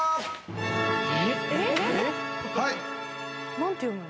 何て読むの？